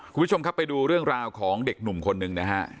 คุณผู้ชมครับไปดูเรื่องราวของเด็กหนุ่มคนหนึ่งนะฮะ